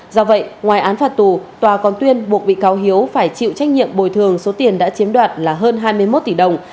do vậy ngoài án phạt tù tòa còn tuyên buộc bị cáo hiếu phải chịu trách nhiệm bồi thường số tiền đã chiếm đoạt là hơn hai mươi một tỷ đồng